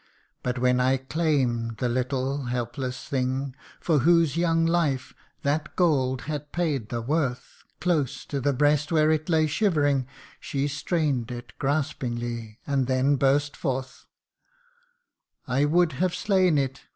But when I claim 'd the little helpless thing, For whose young life that gold had paid the worth ; Close to the breast where it lay shivering, She strain'd it gaspingly, and then burst forth :' I would have slain it